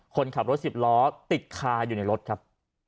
คนขับรถสิบล้อติดคาอยู่ในรถครับ